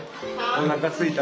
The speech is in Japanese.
おなかすいた。